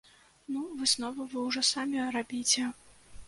Ну, высновы вы ўжо самі рабіце.